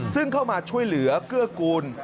ซึ่งเข้ามาช่วยเหลือเกื้อกูล